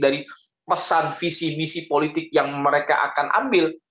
dari pesan visi misi politik yang mereka akan ambil